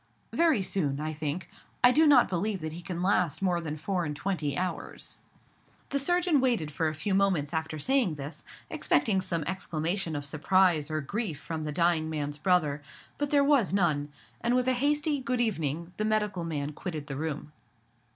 "Very soon, I think. I do not believe that he can last more than four and twenty hours." The surgeon waited for a few moments after saying this, expecting some exclamation of surprise or grief from the dying man's brother: but there was none; and with a hasty "good evening" the medical man quitted the room.